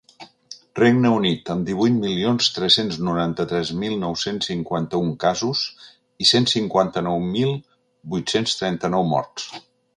Regne Unit, amb divuit milions tres-cents noranta-tres mil nou-cents cinquanta-un casos i cent cinquanta-nou mil vuit-cents trenta-nou morts.